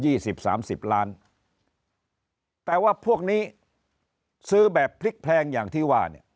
สิบสามสิบล้านแต่ว่าพวกนี้ซื้อแบบพลิกแพงอย่างที่ว่าเนี่ย